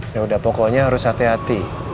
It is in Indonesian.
yaudah pokoknya harus hati hati